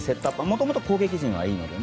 もともと攻撃陣はいいので。